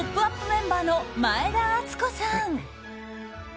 メンバーの前田敦子さん。